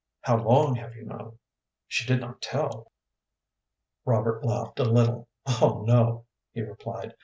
"How long have you known she did not tell?" Robert laughed a little. "Oh no," he replied.